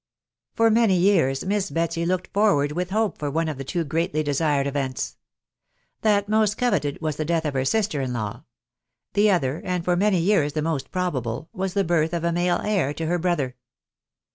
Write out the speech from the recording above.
For many years Miss Betsy looked forward with hope for one of two greatly desired events. That most coveted was the death of her sister in law ; the other, and for many years the most probable, was the birth of a male heir to her brother.